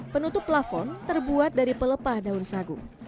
penutup plafon terbuat dari pelepah daun sagu